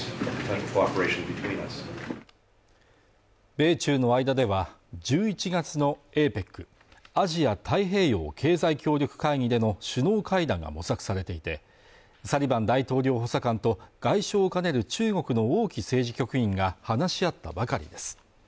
米中の間では１１月のＡＰＥＣアジア太平洋経済協力会議での首脳会談が模索されていてサリバン大統領補佐官と外相を兼ねる中国の王毅政治局員が話し合ったばかりです